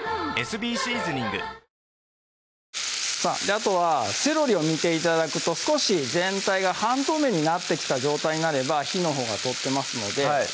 あとはセロリを見て頂くと少し全体が半透明になってきた状態になれば火のほうが通ってますのではい